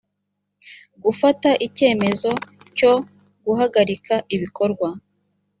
gufata icyemezo cyo guhagarika ibikorwa